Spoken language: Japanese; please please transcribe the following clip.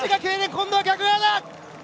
今度は逆側だ！